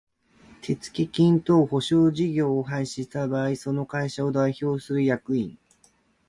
手付金等保証事業を廃止した場合その会社を代表する役員